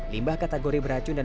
limbah kategori beracun dan